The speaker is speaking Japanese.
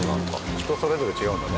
人それぞれ違うんだね。